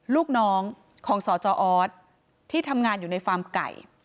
ลูกน้องของสจออสที่ทำงานอยู่ในฟาร์มไก่